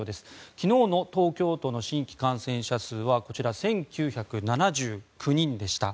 昨日の東京都の新規感染者数はこちら、１９７９人でした。